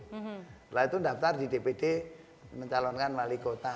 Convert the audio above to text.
setelah itu daftar di dpd mencalonkan wali kota